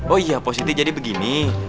oh iya positif jadi begini